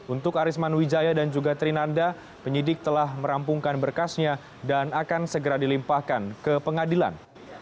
untuk arisman wijaya dan juga trinanda penyidik telah merampungkan berkasnya dan akan segera dilimpahkan ke pengadilan